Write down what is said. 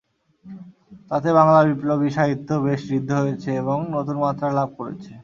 তাতে বাংলার বিপ্লবী সাহিত্য বেশ ঋদ্ধ হয়েছে এবং নতুন মাত্রা লাভ করেছে।